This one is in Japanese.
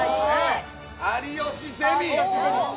有吉ゼミ。